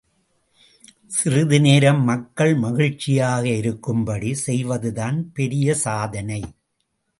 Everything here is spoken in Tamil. சிறிது நேரம் மக்கள் மகிழ்ச்சியாக இருக்கும்படி செய்வதுதான் பெரிய சாதனை.